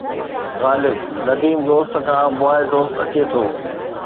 غالب! نديم دوست کان بواءِ دوست اچي ٿو